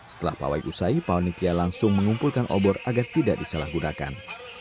setelah pawai usai paunikia langsung mengumpulkan obor agar tidak disalahgunakan